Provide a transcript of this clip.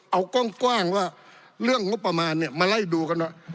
เอากว้างว่าเรื่องงบประมาณมาไล่ดูกัน